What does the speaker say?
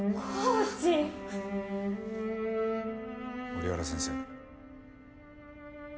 折原先生。